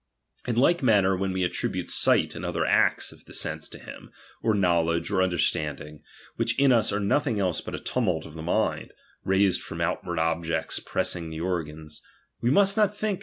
In like manner when we attribute sight and other acts of the sense to him, or knowledge, OT understanding, which in us are nothing else Ijut a tumult of the mind, raised from outward objects pressing the organs ; we must not think RELIGION.